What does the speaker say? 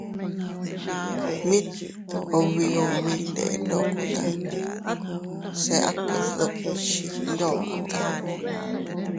Mit ubi ubi iyndeʼe ndokota se a kot dukchit ndokota.